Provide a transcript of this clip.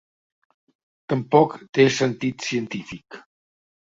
Tampoc té sentit científic.